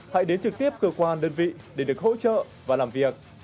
hãy đến trực tiếp cơ quan đơn vị để được hỗ trợ và làm việc